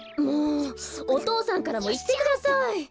もうお父さんからもいってください！